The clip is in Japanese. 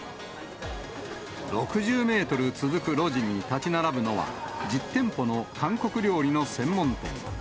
６０メートル続く路地に建ち並ぶのは、１０店舗の韓国料理の専門店。